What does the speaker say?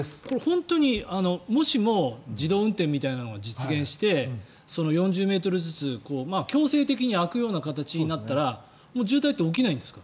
本当に、もしも自動運転みたいなのが実現して４０ｍずつ強制的に空くような形になったら渋滞って起きないんですか。